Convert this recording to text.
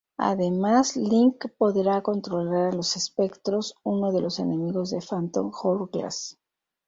Además, Link podrá controlar a los Espectros, uno de los enemigos de Phantom Hourglass.